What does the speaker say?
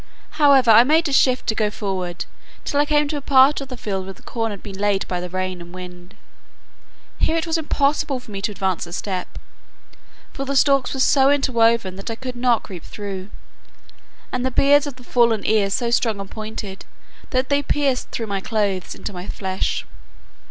However, I made a shift to go forward, till I came to a part of the field where the corn had been laid by the rain and wind. Here it was impossible for me to advance a step; for the stalks were so interwoven, that I could not creep through, and the beards of the fallen ears so strong and pointed, that they pierced through my clothes into my flesh.